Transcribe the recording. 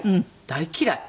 大嫌い。